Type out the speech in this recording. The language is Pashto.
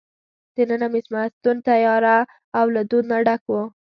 دننه مېلمستون تیاره او له دود نه ډک وو.